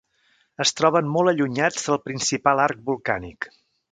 Es troben molt allunyats del principal arc volcànic.